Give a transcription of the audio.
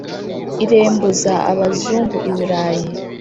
Irembuza abazungu I Burayi